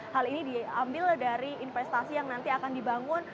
hal ini diambil dari investasi yang nanti akan dibangun